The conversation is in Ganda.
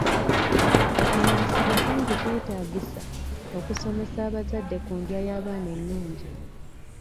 Okumanyisibwa kungi kwetaagisa okusomesa abazadde ku ndya y'abaana ennungi.